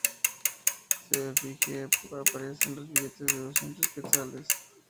Su efigie aparece en los billetes de doscientos quetzales.